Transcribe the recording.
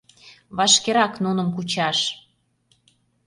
Вашкерак нуным кучаш!..